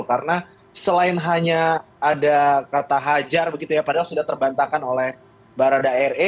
karena selain hanya ada kata hajar padahal sudah terbantahkan oleh barada are